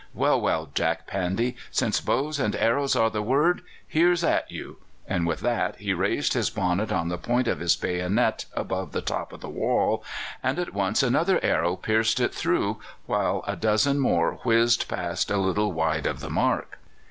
Well, well, Jack Pandy, since bows and arrows are the word, here's at you!" and with that he raised his bonnet on the point of his bayonet above the top of the wall, and at once another arrow pierced it through, while a dozen more whizzed past a little wide of the mark.